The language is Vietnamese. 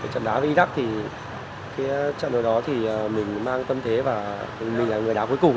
trận đấu đó thì mình mang tâm thế và mình là người đá cuối cùng